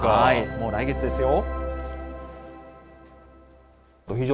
もう来月ですよ。